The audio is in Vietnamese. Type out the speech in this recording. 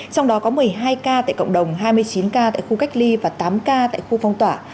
trong đó có một mươi hai ca tại cộng đồng hai mươi chín ca tại khu cách ly và tám ca tại khu phong tỏa